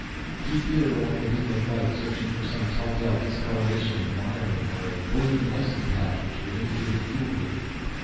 He peered along the beam of light, searching for some telltale discoloration in wiring, or a gleaming icy patch which would indicate a fuel leak.